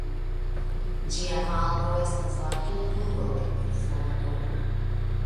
Ĝia malo estas la "kulturo de perforto".